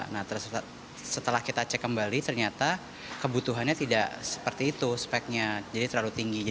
nah setelah kita cek kembali ternyata kebutuhannya tidak seperti itu speknya jadi terlalu tinggi